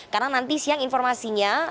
karena nanti siang informasinya